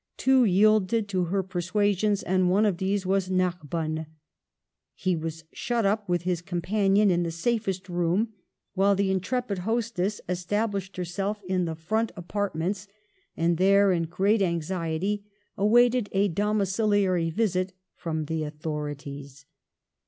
Two yielded to her persuasions, and one of these was Narbonne. He was shut up with his companion in the safest room, while the intrepid hostess established herself in the front Digitized by VjOOQIC 62 MADAME DE STA&L apartments, and there, in great anxiety, awaited a domiciliary visit from the authorities.